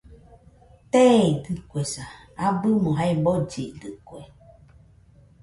Teeidɨkuesa, abɨmo jae bollidɨkue